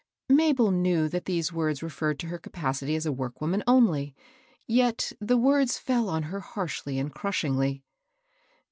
Mabel knew that these words referred to her ca pacity as a workwoman only ; yet the words fell on her harshly and crushingly.